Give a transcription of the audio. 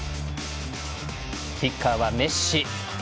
キッカーはメッシ。